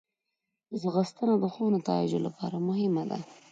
ځغاسته د ښو نتایجو لپاره مهمه ده